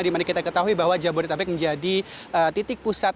dimana kita ketahui bahwa jabodetabek menjadi titik pusat